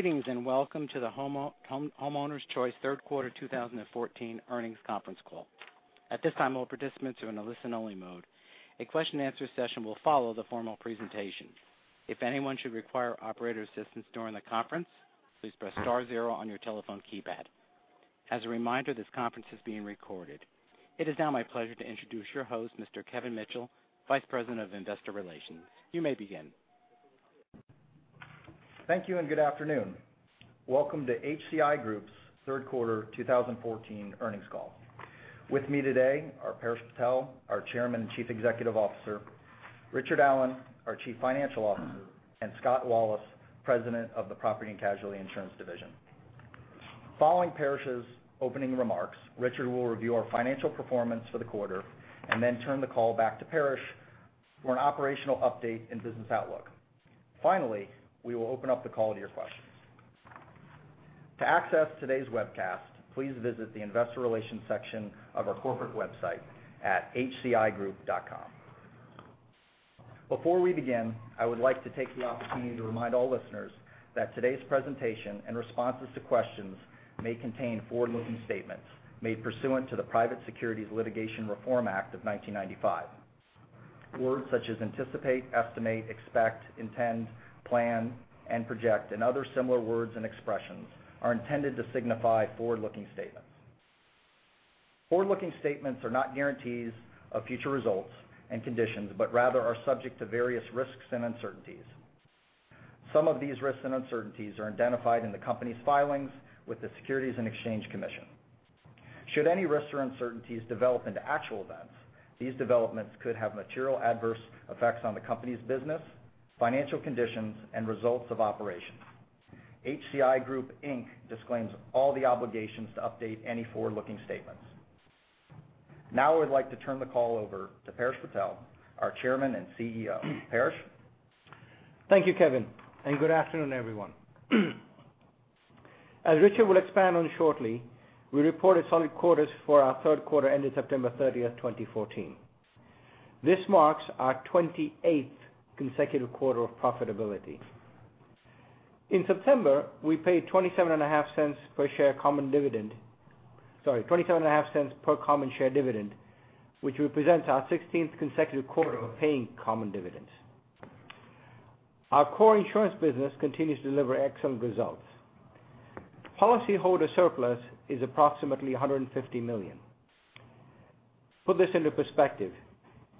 Greetings, welcome to the Homeowners Choice third quarter 2014 earnings conference call. At this time, all participants are in a listen-only mode. A question-and-answer session will follow the formal presentation. If anyone should require operator assistance during the conference, please press star zero on your telephone keypad. As a reminder, this conference is being recorded. It is now my pleasure to introduce your host, Mr. Kevin Mitchell, Vice President of Investor Relations. You may begin. Thank you, good afternoon. Welcome to HCI Group's third quarter 2014 earnings call. With me today are Paresh Patel, our Chairman and Chief Executive Officer, Richard Allen, our Chief Financial Officer, and Scott Wallace, President of the Property and Casualty Insurance Division. Following Paresh's opening remarks, Richard will review our financial performance for the quarter, then turn the call back to Paresh for an operational update and business outlook. We will open up the call to your questions. To access today's webcast, please visit the investor relations section of our corporate website at hcigroup.com. Before we begin, I would like to take the opportunity to remind all listeners that today's presentation and responses to questions may contain forward-looking statements made pursuant to the Private Securities Litigation Reform Act of 1995. Words such as anticipate, estimate, expect, intend, plan, and project, other similar words and expressions, are intended to signify forward-looking statements. Forward-looking statements are not guarantees of future results and conditions, but rather are subject to various risks and uncertainties. Some of these risks and uncertainties are identified in the company's filings with the Securities and Exchange Commission. Should any risks or uncertainties develop into actual events, these developments could have material adverse effects on the company's business, financial conditions, and results of operations. HCI Group, Inc. disclaims all the obligations to update any forward-looking statements. I would like to turn the call over to Paresh Patel, our Chairman and CEO. Paresh? Thank you, Kevin, good afternoon, everyone. As Richard will expand on shortly, we reported solid quarters for our third quarter ending September 30th, 2014. This marks our 28th consecutive quarter of profitability. In September, we paid 27 and a half cents per share common dividend, 27 and a half cents per common share dividend, which represents our 16th consecutive quarter of paying common dividends. Our core insurance business continues to deliver excellent results. Policyholder surplus is approximately $150 million. Put this into perspective.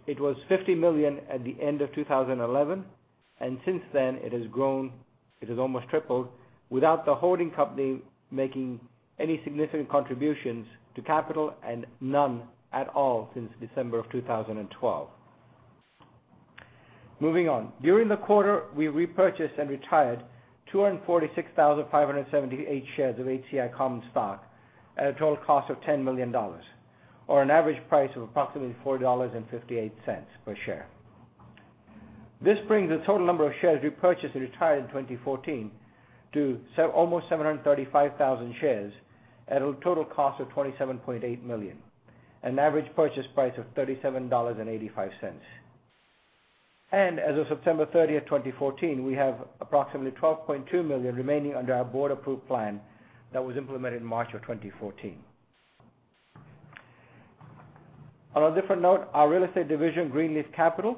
It was $50 million at the end of 2011, and since then, it has grown, it has almost tripled, without the holding company making any significant contributions to capital and none at all since December of 2012. Moving on. During the quarter, we repurchased and retired 246,578 shares of HCI common stock at a total cost of $10 million, or an average price of approximately $4.58 per share. This brings the total number of shares repurchased and retired in 2014 to almost 735,000 shares at a total cost of $27.8 million, an average purchase price of $37.85. As of September 30, 2014, we have approximately $12.2 million remaining under our board-approved plan that was implemented in March of 2014. On a different note, our real estate division, Greenleaf Capital,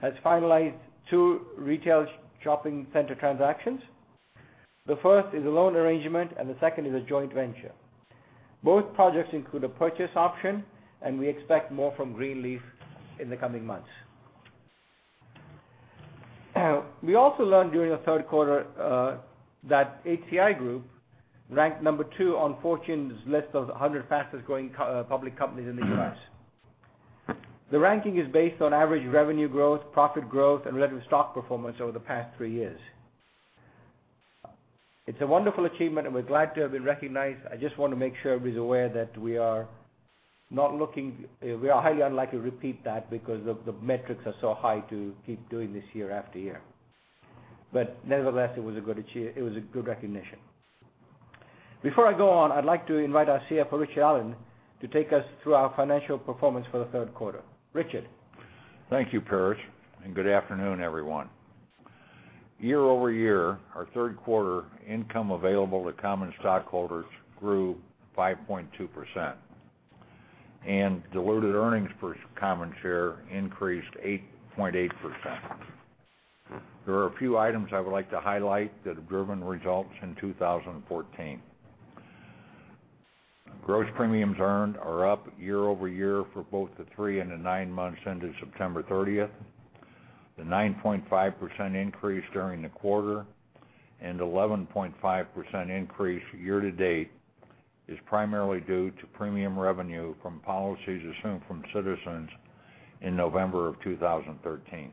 has finalized two retail shopping center transactions. The first is a loan arrangement and the second is a joint venture. Both projects include a purchase option and we expect more from Greenleaf in the coming months. We also learned during the third quarter that HCI Group ranked number two on Fortune's list of the 100 fastest-growing public companies in the U.S. The ranking is based on average revenue growth, profit growth, and relative stock performance over the past three years. It's a wonderful achievement and we're glad to have been recognized. I just want to make sure everybody's aware that we are highly unlikely to repeat that because the metrics are so high to keep doing this year after year. Nevertheless, it was a good recognition. Before I go on, I'd like to invite our CFO, Richard Allen, to take us through our financial performance for the third quarter. Richard? Thank you, Paresh, and good afternoon, everyone. Year-over-year, our third quarter income available to common stockholders grew 5.2%, and diluted earnings per common share increased 8.8%. There are a few items I would like to highlight that have driven results in 2014. Gross premiums earned are up year-over-year for both the three and the nine months ended September 30th. The 9.5% increase during the quarter and 11.5% increase year to date is primarily due to premium revenue from policies assumed from Citizens in November of 2013.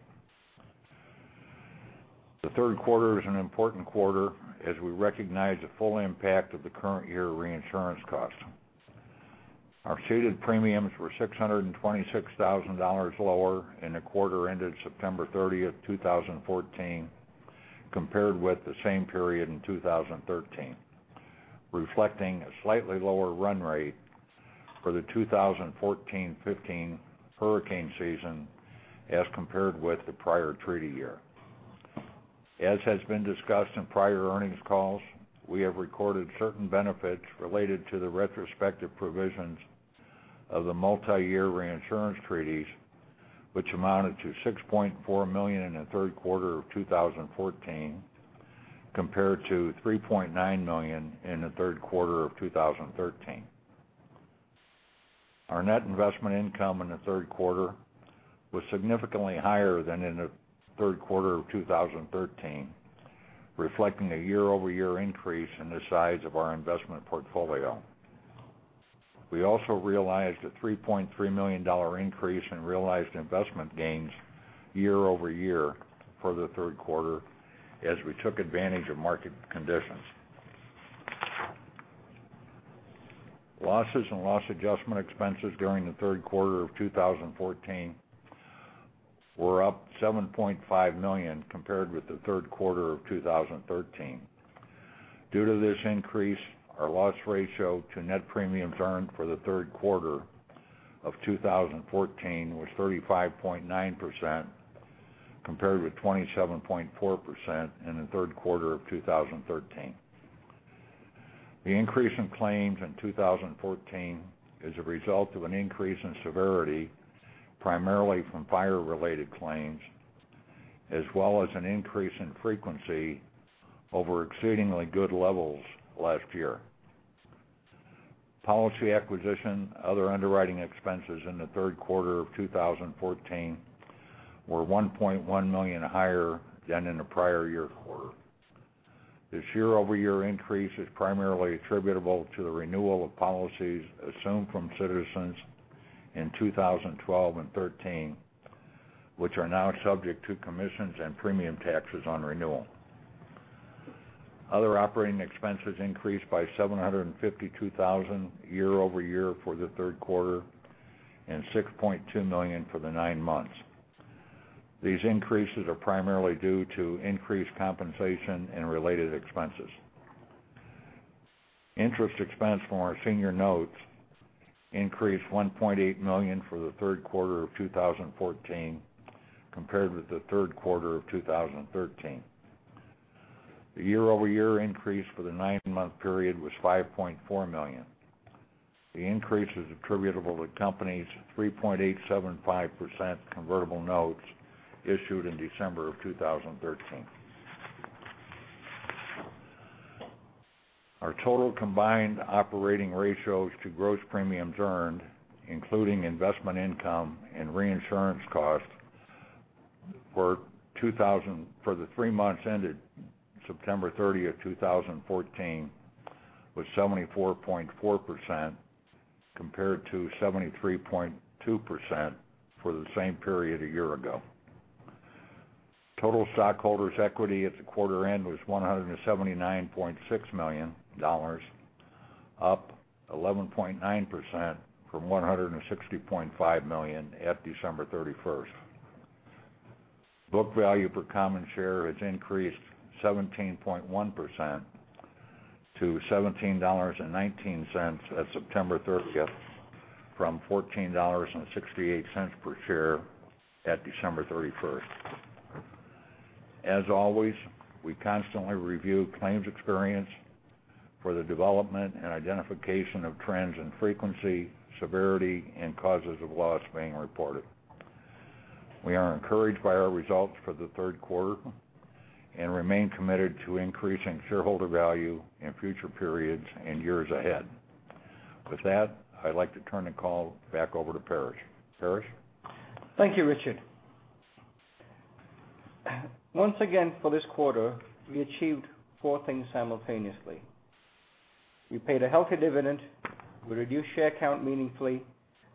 The third quarter is an important quarter as we recognize the full impact of the current year reinsurance costs. Our ceded premiums were $626,000 lower in the quarter ended September 30th, 2014, compared with the same period in 2013, reflecting a slightly lower run rate for the 2014-15 hurricane season as compared with the prior treaty year. As has been discussed in prior earnings calls, we have recorded certain benefits related to the retrospective provisions of the multi-year reinsurance treaties, which amounted to $6.4 million in the third quarter of 2014, compared to $3.9 million in the third quarter of 2013. Our net investment income in the third quarter was significantly higher than in the third quarter of 2013, reflecting a year-over-year increase in the size of our investment portfolio. We also realized a $3.3 million increase in realized investment gains year-over-year for the third quarter as we took advantage of market conditions. Losses and loss adjustment expenses during the third quarter of 2014 were up $7.5 million compared with the third quarter of 2013. Due to this increase, our loss ratio to net premiums earned for the third quarter of 2014 was 35.9%, compared with 27.4% in the third quarter of 2013. The increase in claims in 2014 is a result of an increase in severity, primarily from fire-related claims, as well as an increase in frequency over exceedingly good levels last year. Policy acquisition, other underwriting expenses in the third quarter of 2014 were $1.1 million higher than in the prior year quarter. This year-over-year increase is primarily attributable to the renewal of policies assumed from Citizens in 2012 and 2013, which are now subject to commissions and premium taxes on renewal. Other operating expenses increased by $752,000 year-over-year for the third quarter and $6.2 million for the nine months. These increases are primarily due to increased compensation and related expenses. Interest expense from our senior notes increased $1.8 million for the third quarter of 2014 compared with the third quarter of 2013. The year-over-year increase for the nine-month period was $5.4 million. The increase is attributable to the company's 3.875% convertible notes issued in December of 2013. Our total combined operating ratios to gross premiums earned, including investment income and reinsurance costs for the three months ended September 30th, 2014, was 74.4%, compared to 73.2% for the same period a year ago. Total stockholders' equity at the quarter end was $179.6 million, up 11.9% from $160.5 million at December 31st. Book value per common share has increased 17.1% to $17.19 at September 30th from $14.68 per share at December 31st. As always, we constantly review claims experience for the development and identification of trends in frequency, severity, and causes of loss being reported. We are encouraged by our results for the third quarter and remain committed to increasing shareholder value in future periods and years ahead. With that, I'd like to turn the call back over to Paresh. Paresh? Thank you, Richard. Once again, for this quarter, we achieved four things simultaneously. We paid a healthy dividend, we reduced share count meaningfully,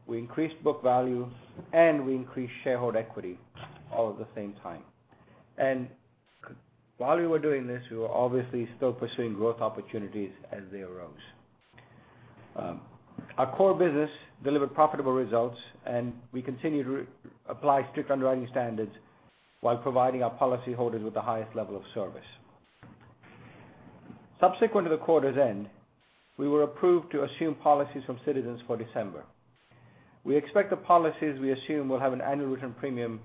we increased book value, and we increased shareholder equity all at the same time. While we were doing this, we were obviously still pursuing growth opportunities as they arose. Our core business delivered profitable results and we continue to apply strict underwriting standards while providing our policyholders with the highest level of service. Subsequent to the quarter's end, we were approved to assume policies from Citizens for December. We expect the policies we assume will have an annual return premium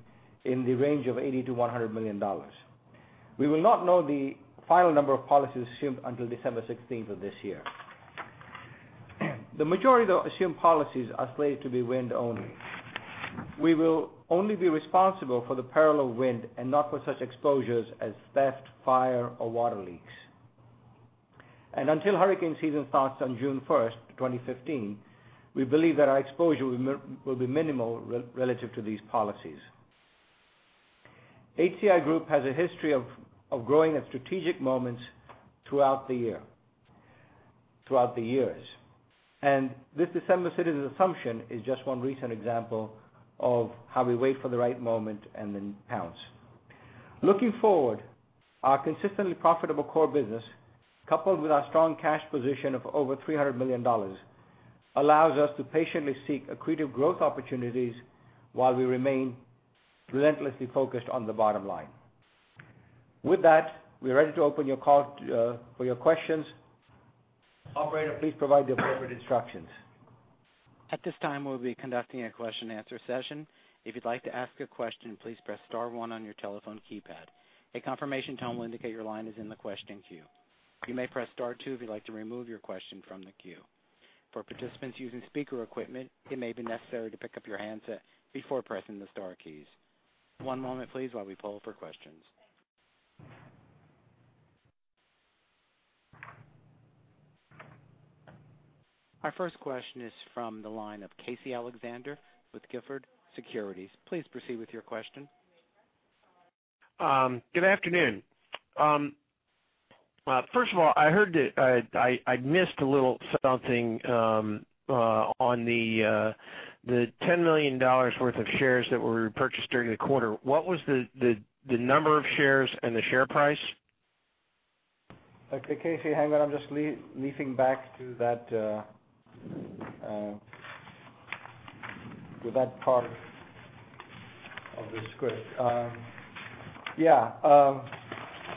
in the range of $80 million-$100 million. We will not know the final number of policies assumed until December 16th of this year. The majority of assumed policies are slated to be wind only. We will only be responsible for the peril of wind and not for such exposures as theft, fire, or water leaks. Until hurricane season starts on June 1st, 2015, we believe that our exposure will be minimal relative to these policies. HCI Group has a history of growing at strategic moments throughout the years. This December Citizens assumption is just one recent example of how we wait for the right moment and then pounce. Looking forward, our consistently profitable core business, coupled with our strong cash position of over $300 million, allows us to patiently seek accretive growth opportunities while we remain relentlessly focused on the bottom line. With that, we're ready to open your call for your questions. Operator, please provide the appropriate instructions. At this time, we'll be conducting a question-answer session. If you'd like to ask a question, please press star one on your telephone keypad. A confirmation tone will indicate your line is in the question queue. You may press star two if you'd like to remove your question from the queue. For participants using speaker equipment, it may be necessary to pick up your handset before pressing the star keys. One moment please, while we poll for questions. Our first question is from the line of Casey Alexander with Gilford Securities. Please proceed with your question. Good afternoon. First of all, I heard that I'd missed a little something on the $10 million worth of shares that were repurchased during the quarter. What was the number of shares and the share price? Okay, Casey, hang on. I'm just leafing back to that part of the script. Yeah.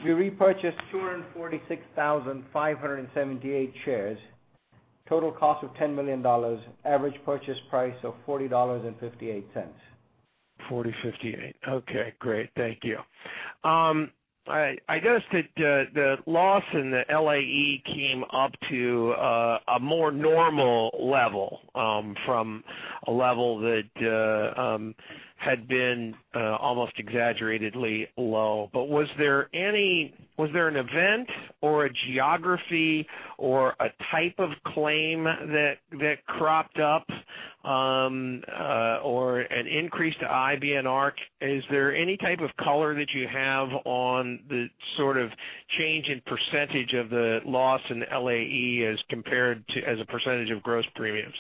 We repurchased 246,578 shares, total cost of $10 million, average purchase price of $40.58. $40.58. Okay, great. Thank you. I guess that the loss in the LAE came up to a more normal level from a level that had been almost exaggeratedly low. Was there an event or a geography or a type of claim that cropped up or an increase to IBNR? Is there any type of color that you have on the sort of change in % of the loss in LAE as compared to as a % of gross premiums?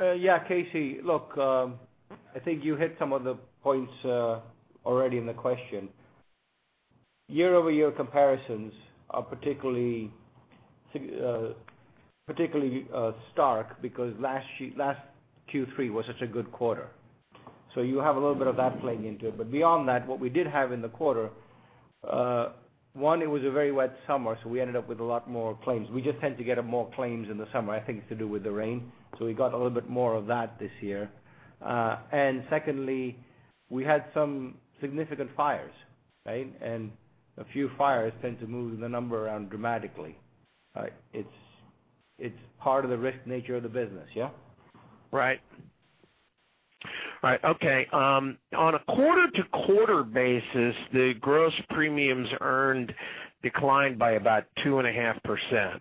Yeah. Casey, look, I think you hit some of the points already in the question. Year-over-year comparisons are particularly stark because last Q3 was such a good quarter. You have a little bit of that playing into it. Beyond that, what we did have in the quarter, one, it was a very wet summer, so we ended up with a lot more claims. We just tend to get more claims in the summer. I think it's to do with the rain. We got a little bit more of that this year. Secondly, we had some significant fires, right? A few fires tend to move the number around dramatically, right? It's part of the risk nature of the business, yeah? Right. Okay. On a quarter-to-quarter basis, the gross premiums earned declined by about 2.5%,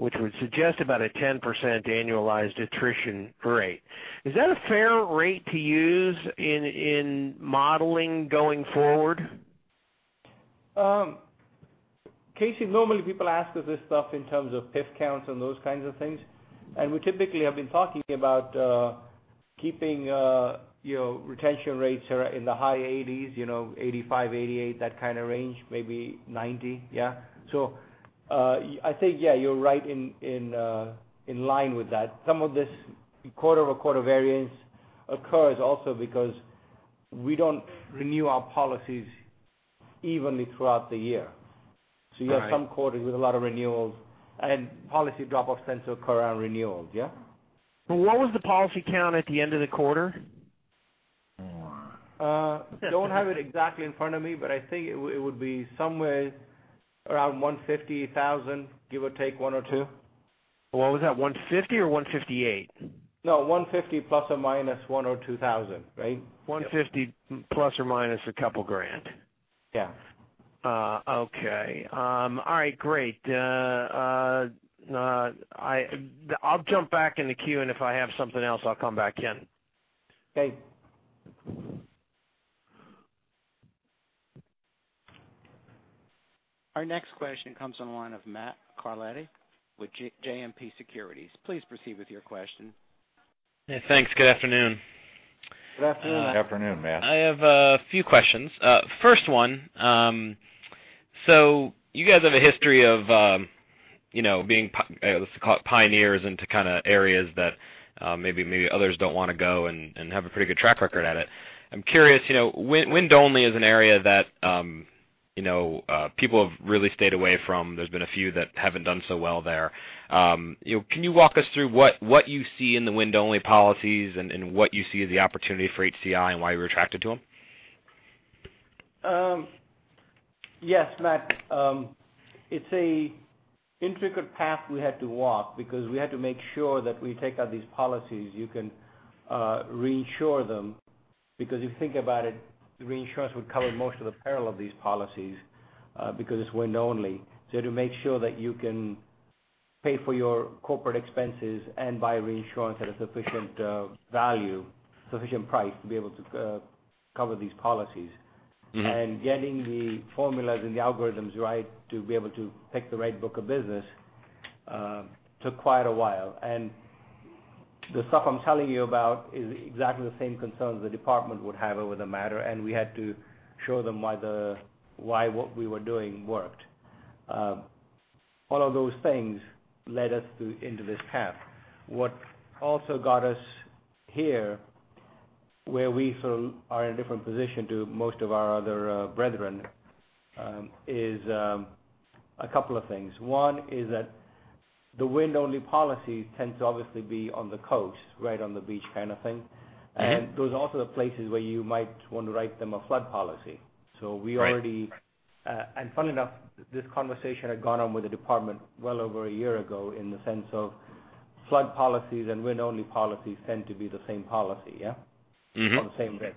which would suggest about a 10% annualized attrition rate. Is that a fair rate to use in modeling going forward? Casey, normally people ask us this stuff in terms of PIF counts and those kinds of things, and we typically have been talking about keeping retention rates in the high 80s, 85, 88, that kind of range, maybe 90, yeah? I think, yeah, you're right in line with that. Some of this quarter-over-quarter variance occurs also because we don't renew our policies evenly throughout the year. Right. You have some quarters with a lot of renewals, and policy drop-offs tend to occur around renewals, yeah? What was the policy count at the end of the quarter? Don't have it exactly in front of me, but I think it would be somewhere around 150,000, give or take one or two. What was that, 150 or 158? No, 150 ±1,000 or 2,000, right? 150 plus or minus a couple grand. Yeah. Okay. All right, great. I'll jump back in the queue, and if I have something else, I'll come back in. Okay. Our next question comes on the line of Matt Carletti with JMP Securities. Please proceed with your question. Yeah, thanks. Good afternoon. Good afternoon. Afternoon, Matt. I have a few questions. First one, you guys have a history of being, let's call it pioneers into kind of areas that maybe others don't want to go and have a pretty good track record at it. I'm curious, wind only is an area that people have really stayed away from. There's been a few that haven't done so well there. Can you walk us through what you see in the wind-only policies and what you see as the opportunity for HCI and why you were attracted to them? Yes, Matt. It's an intricate path we had to walk because we had to make sure that we take out these policies, you can reinsure them, because if you think about it, reinsurance would cover most of the peril of these policies because it's wind only. To make sure that you can pay for your corporate expenses and buy reinsurance at a sufficient value, sufficient price to be able to cover these policies. Getting the formulas and the algorithms right to be able to pick the right book of business took quite a while. The stuff I'm telling you about is exactly the same concerns the department would have over the matter, and we had to show them why what we were doing worked. All of those things led us into this path. What also got us here, where we feel are in a different position to most of our other brethren, is a couple of things. One is that the wind-only policy tends to obviously be on the coast, right on the beach kind of thing. Those are also the places where you might want to write them a flood policy. Right. Funny enough, this conversation had gone on with the department well over a year ago in the sense of flood policies and wind-only policies tend to be the same policy, yeah? The same risk.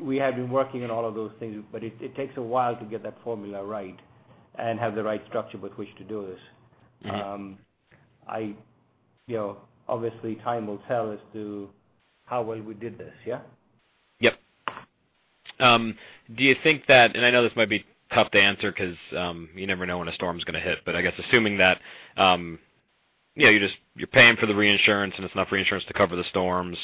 We have been working on all of those things, but it takes a while to get that formula right and have the right structure with which to do this. Obviously, time will tell as to how well we did this, yeah? Yep. Do you think that, I know this might be tough to answer because you never know when a storm's going to hit, I guess assuming that you're paying for the reinsurance and it's enough reinsurance to cover the storm,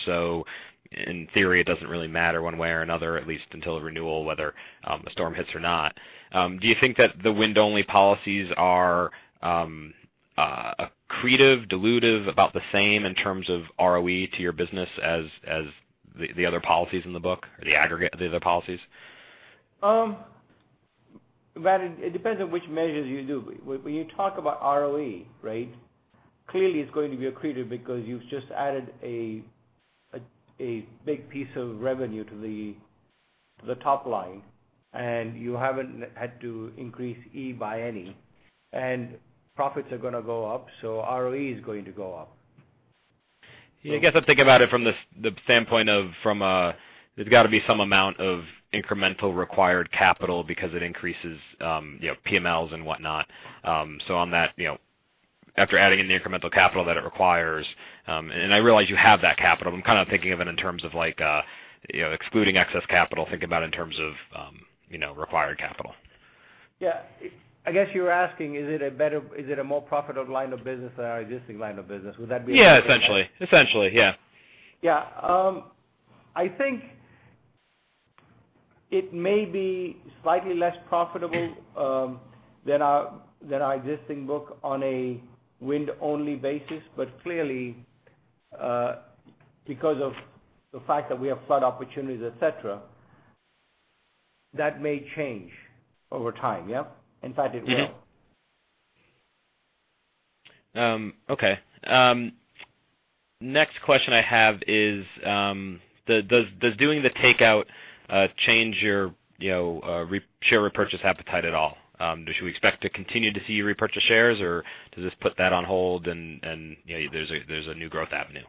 in theory, it doesn't really matter one way or another, at least until the renewal, whether a storm hits or not. Do you think that the wind only policies are accretive, dilutive, about the same in terms of ROE to your business as the other policies in the book, or the aggregate of the other policies? It depends on which measures you do. When you talk about ROE, clearly it's going to be accretive because you've just added a big piece of revenue to the top line, you haven't had to increase E by any, and profits are going to go up, so ROE is going to go up. I guess I think about it from the standpoint of there's got to be some amount of incremental required capital because it increases PMLs and whatnot. On that, after adding in the incremental capital that it requires, and I realize you have that capital, I'm kind of thinking of it in terms of excluding excess capital, thinking about it in terms of required capital. Yeah. I guess you're asking, is it a more profitable line of business than our existing line of business? Yeah, essentially. Yeah. I think it may be slightly less profitable than our existing book on a wind-only basis, but clearly, because of the fact that we have flood opportunities, et cetera, that may change over time, yeah? In fact, it will. Okay. Next question I have is, does doing the takeout change your share repurchase appetite at all? Should we expect to continue to see you repurchase shares, or does this put that on hold and there's a new growth avenue?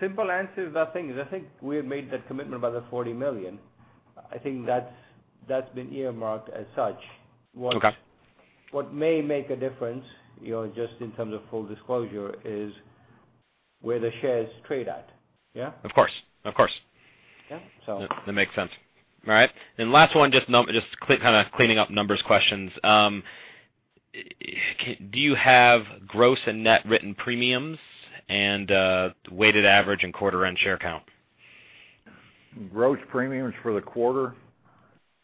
Simple answer is, I think we have made that commitment about the $40 million. I think that's been earmarked as such. Okay. What may make a difference, just in terms of full disclosure, is where the shares trade at. Yeah? Of course. Yeah. That makes sense. All right. Last one, just kind of cleaning up numbers questions. Do you have gross and net written premiums and weighted average and quarter end share count? Gross premiums for the quarter?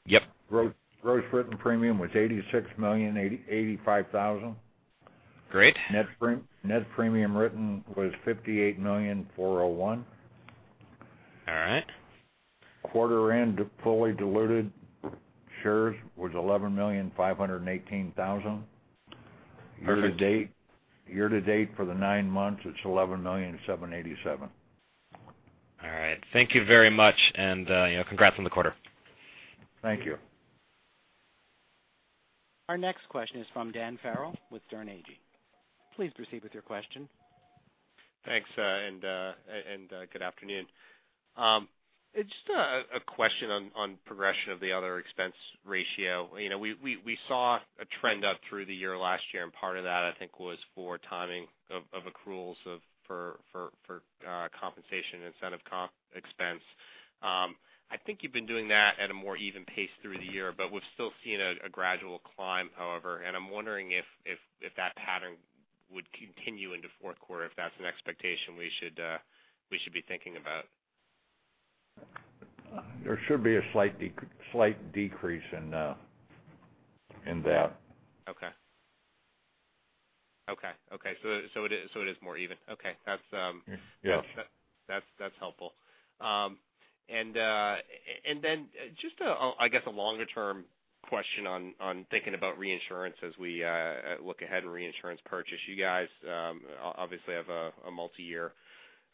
Yep. Gross written premium was $86,085,000. Great. Net premium written was $58,401,000. All right. Quarter end, fully diluted shares was 11,518,000. Perfect. Year to date for the nine months, it's 11,787,000. All right. Thank you very much, and congrats on the quarter. Thank you. Our next question is from Dan Farrell with Sterne Agee. Please proceed with your question. Thanks, good afternoon. Just a question on progression of the other expense ratio. We saw a trend up through the year last year, and part of that I think was for timing of accruals for compensation incentive comp expense. I think you've been doing that at a more even pace through the year, but we've still seen a gradual climb, however, and I'm wondering if that pattern would continue into fourth quarter, if that's an expectation we should be thinking about. There should be a slight decrease in that. Okay. It is more even. Okay. Yeah That's helpful. Then just, I guess, a longer-term question on thinking about reinsurance as we look ahead in reinsurance purchase. You guys obviously have a multi-year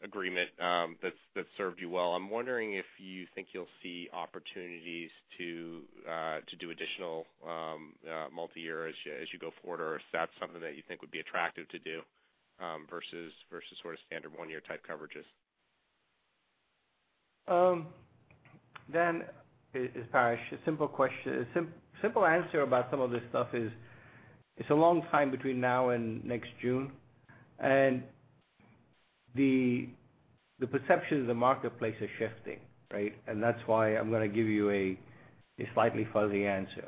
agreement that's served you well. I'm wondering if you think you'll see opportunities to do additional multi-year as you go forward, or if that's something that you think would be attractive to do versus standard one-year type coverages. Dan, it's Paresh. A simple answer about some of this stuff is, it's a long time between now and next June, and the perception of the marketplace is shifting, right? That's why I'm going to give you a slightly fuzzy answer.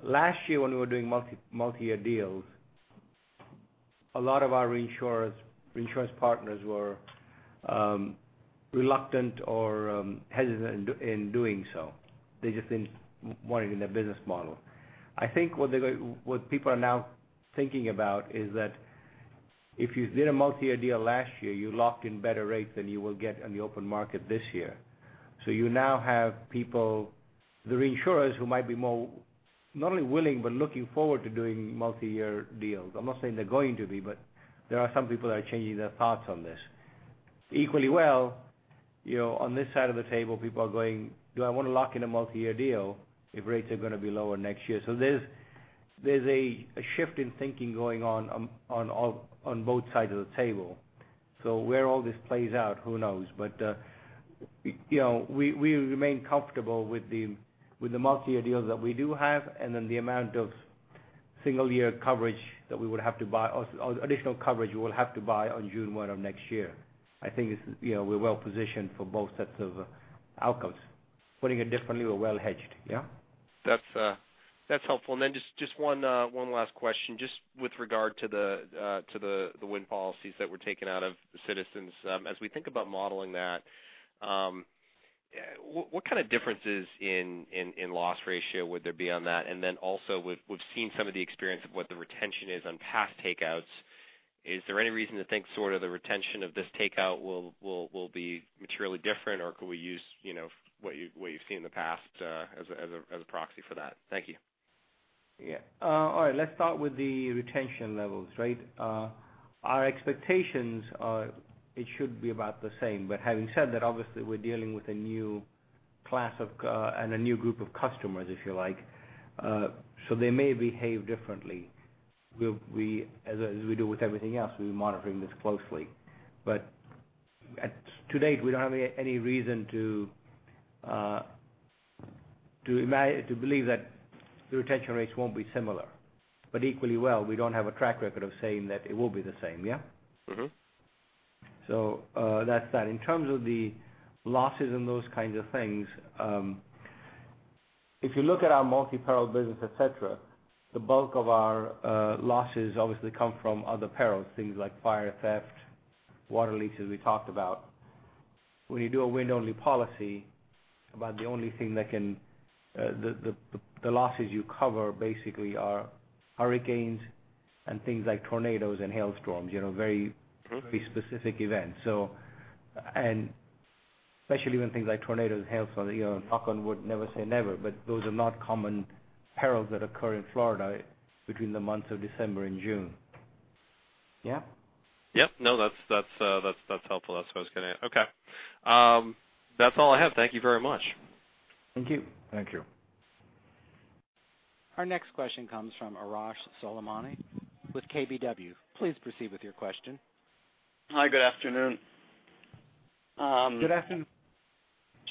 Last year when we were doing multi-year deals, a lot of our reinsurance partners were reluctant or hesitant in doing so. They just didn't want it in their business model. I think what people are now thinking about is that if you did a multi-year deal last year, you locked in better rates than you will get on the open market this year. You now have people, the reinsurers, who might be more not only willing, but looking forward to doing multi-year deals. I'm not saying they're going to be, but there are some people that are changing their thoughts on this. Equally well, on this side of the table, people are going, "Do I want to lock in a multi-year deal if rates are going to be lower next year?" There's a shift in thinking going on both sides of the table. Where all this plays out, who knows? We remain comfortable with the multi-year deals that we do have, and then the amount of single-year coverage that we would have to buy or additional coverage we will have to buy on June 1 of next year. I think we're well-positioned for both sets of outcomes. Putting it differently, we're well hedged, yeah? That's helpful. Then just one last question. Just with regard to the wind policies that were taken out of Citizens, as we think about modeling that, what kind of differences in loss ratio would there be on that? Then also, we've seen some of the experience of what the retention is on past takeouts. Is there any reason to think the retention of this takeout will be materially different, or could we use what you've seen in the past as a proxy for that? Thank you. Yeah. All right. Let's start with the retention levels, right? Our expectations are it should be about the same. Having said that, obviously, we're dealing with a new class and a new group of customers, if you like. They may behave differently. As we do with everything else, we'll be monitoring this closely. To date, we don't have any reason to believe that the retention rates won't be similar. Equally well, we don't have a track record of saying that it will be the same, yeah? That's that. In terms of the losses and those kinds of things, if you look at our multi-peril business, et cetera, the bulk of our losses obviously come from other perils, things like fire, theft, water leaks, as we talked about. When you do a wind-only policy, about the only thing the losses you cover basically are hurricanes and things like tornadoes and hailstorms, very specific events. Especially when things like tornadoes and hail, and knock on wood, never say never, but those are not common perils that occur in Florida between the months of December and June. Yeah? Yep. No, that's helpful. That's what I was getting at. Okay. That's all I have. Thank you very much. Thank you. Thank you. Our next question comes from Arash Soleimani with KBW. Please proceed with your question. Hi, good afternoon. Good afternoon.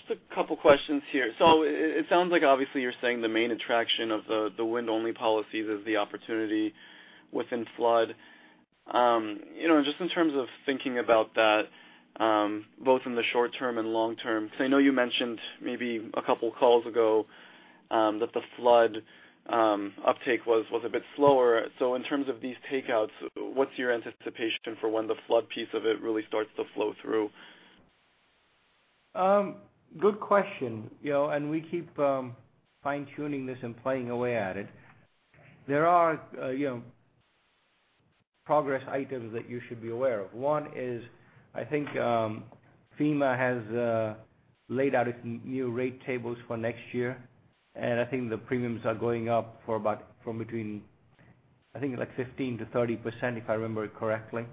Just a couple questions here. It sounds like obviously you're saying the main attraction of the wind-only policy is the opportunity within flood. Just in terms of thinking about that, both in the short term and long term, because I know you mentioned maybe a couple of calls ago that the flood uptake was a bit slower. In terms of these takeouts, what's your anticipation for when the flood piece of it really starts to flow through? Good question. We keep fine-tuning this and playing away at it. There are progress items that you should be aware of. One is, I think FEMA has laid out its new rate tables for next year, and I think the premiums are going up for about from between, I think like 15%-30%, if I remember correctly.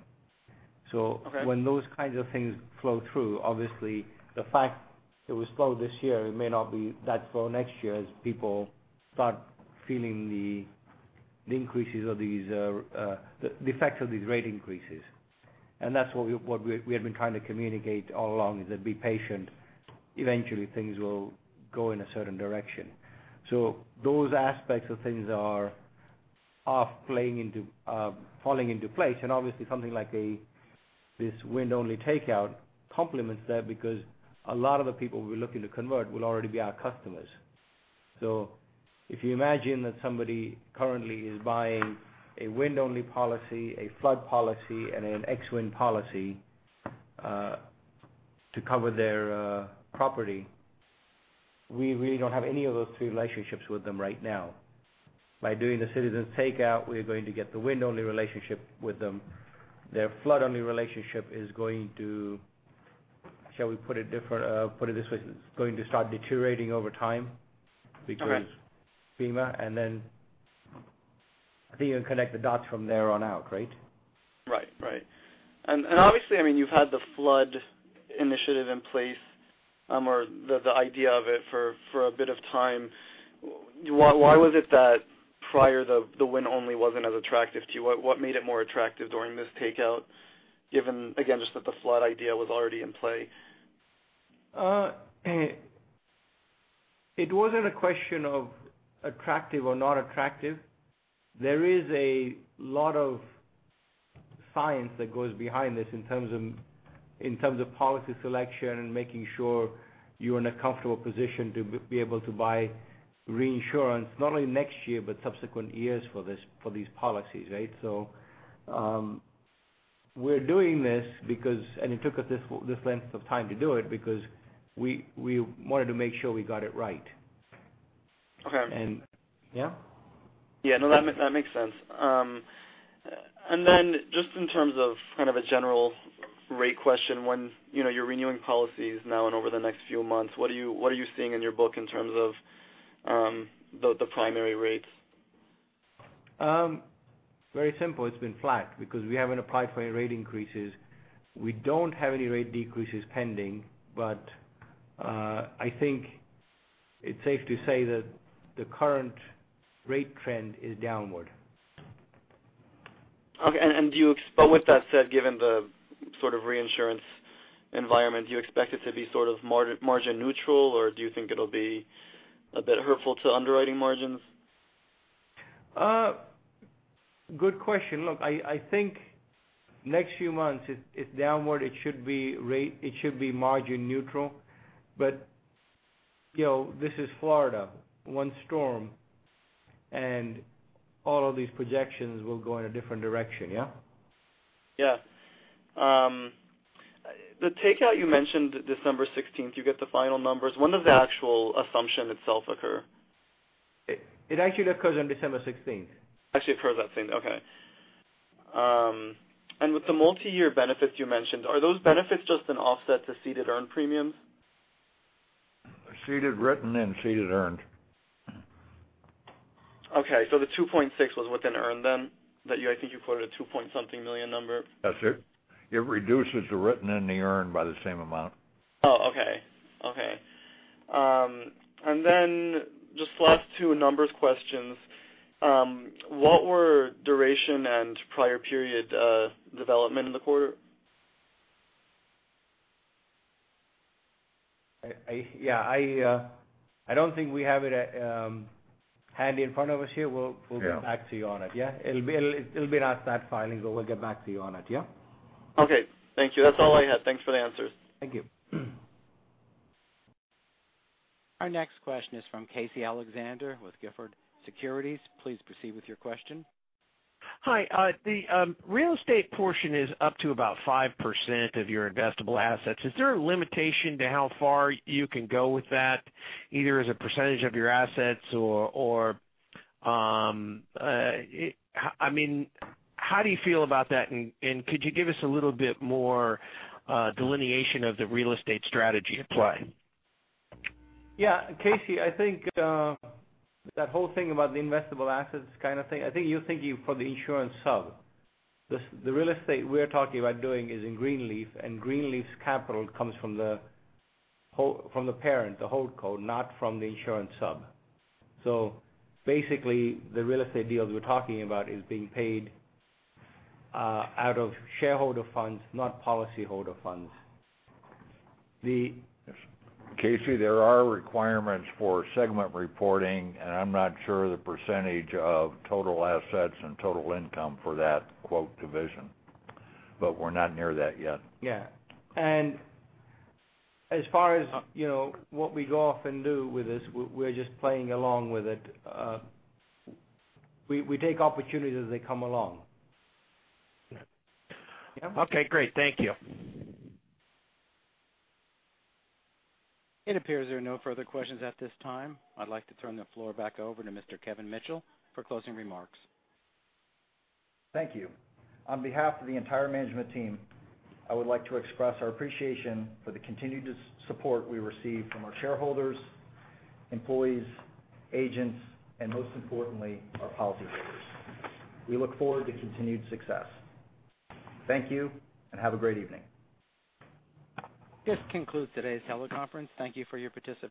Okay. When those kinds of things flow through, obviously the fact it was slow this year, it may not be that slow next year as people start feeling the increases of these, the effect of these rate increases. That's what we have been trying to communicate all along is that be patient, eventually things will go in a certain direction. Those aspects of things are all falling into place. Obviously something like this wind-only takeout complements that because a lot of the people who we're looking to convert will already be our customers. If you imagine that somebody currently is buying a wind-only policy, a flood policy, and an X-wind policy to cover their property, we really don't have any of those three relationships with them right now. By doing the Citizens takeout, we are going to get the wind-only relationship with them. Their flood-only relationship is going to, shall we put it this way, is going to start deteriorating over time because- Okay FEMA, then I think you can connect the dots from there on out, right? Right. Obviously, you've had the flood initiative in place, or the idea of it for a bit of time. Why was it that prior the wind only wasn't as attractive to you? What made it more attractive during this takeout, given, again, just that the flood idea was already in play? It wasn't a question of attractive or not attractive. There is a lot of science that goes behind this in terms of policy selection and making sure you're in a comfortable position to be able to buy reinsurance, not only next year, but subsequent years for these policies. We're doing this because, and it took us this length of time to do it, because we wanted to make sure we got it right. Okay. Yeah? Yeah. No, that makes sense. Then just in terms of kind of a general rate question, when you're renewing policies now and over the next few months, what are you seeing in your book in terms of the primary rates? Very simple. It's been flat because we haven't applied for any rate increases. We don't have any rate decreases pending, I think it's safe to say that the current rate trend is downward. Okay. With that said, given the sort of reinsurance environment, do you expect it to be sort of margin neutral, or do you think it'll be a bit hurtful to underwriting margins? Good question. Look, I think next few months, it's downward. It should be margin neutral, but this is Florida. One storm and all of these projections will go in a different direction, yeah? Yeah. The takeout you mentioned, December 16th, you get the final numbers. When does the actual assumption itself occur? It actually occurs on December 16th. Actually occurs okay. With the multi-year benefits you mentioned, are those benefits just an offset to ceded earned premiums? Ceded written and ceded earned. Okay. The 2.6 was within earned then, that I think you quoted a $2.something million number. That's it. It reduces the written and the earned by the same amount. Oh, okay. Just last two numbers questions. What were duration and prior period development in the quarter? I don't think we have it handy in front of us here. We'll get back to you on it, yeah? It'll be in our stat filings, we'll get back to you on it. Yeah? Okay. Thank you. That's all I had. Thanks for the answers. Thank you. Our next question is from Casey Alexander with Gilford Securities. Please proceed with your question. Hi. The real estate portion is up to about 5% of your investable assets. Is there a limitation to how far you can go with that, either as a percentage of your assets or how do you feel about that, and could you give us a little bit more delineation of the real estate strategy applied? Yeah. Casey, I think, that whole thing about the investable assets kind of thing, I think you're thinking for the insurance hub. The real estate we're talking about doing is in Greenleaf, and Greenleaf's capital comes from the parent, the hold co, not from the insurance sub. Basically, the real estate deals we're talking about is being paid out of shareholder funds, not policyholder funds. Casey, there are requirements for segment reporting. I'm not sure the percentage of total assets and total income for that, quote, division. We're not near that yet. Yeah. As far as what we go off and do with this, we're just playing along with it. We take opportunities as they come along. Okay, great. Thank you. It appears there are no further questions at this time. I'd like to turn the floor back over to Mr. Kevin Mitchell for closing remarks. Thank you. On behalf of the entire management team, I would like to express our appreciation for the continued support we receive from our shareholders, employees, agents, and most importantly, our policyholders. We look forward to continued success. Thank you. Have a great evening. This concludes today's teleconference. Thank you for your participation.